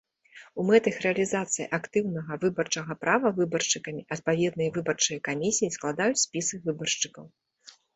У мэтах рэалізацыі актыўнага выбарчага права выбаршчыкамі адпаведныя выбарчыя камісіі складаюць спісы выбаршчыкаў.